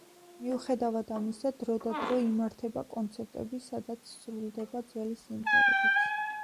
მიუხედავად ამისა, დრო და დრო იმართება კონცერტები, სადაც სრულდება ძველი სიმღერებიც.